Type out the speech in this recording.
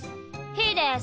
ひーです。